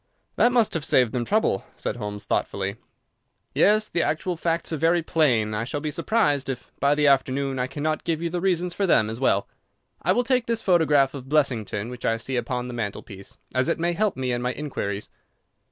"That must have saved them trouble," said Holmes, thoughtfully. "Yes, the actual facts are very plain, and I shall be surprised if by the afternoon I cannot give you the reasons for them as well. I will take this photograph of Blessington, which I see upon the mantelpiece, as it may help me in my inquiries."